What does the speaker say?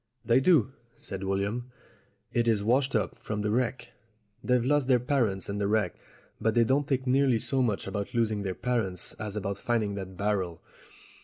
"They do," said William. "It is washed up from the wreck. They've lost their parents in the wreck, but they don't think nearly so much about losing their parents as about finding that barrel.